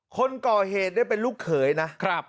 คนก่อเหตุได้เป็นลูกเขยนะ